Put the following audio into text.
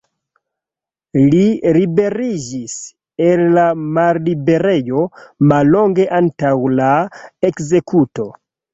Li liberiĝis el la malliberejo mallonge antaŭ la ekzekuto.